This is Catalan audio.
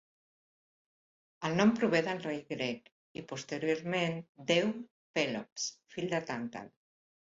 El nom prové del rei grec, i posteriorment déu Pèlops, fill de Tàntal.